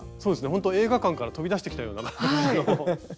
ほんと映画館から飛び出してきたような感じの。